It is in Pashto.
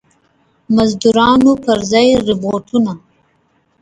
مزدورانو پر ځای روباټونه.